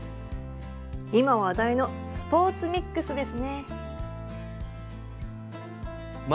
今話題のスポーツミックスですね。